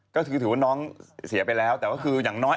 ก็คือถือว่าน้องเสียไปแล้วแต่ก็คืออย่างน้อย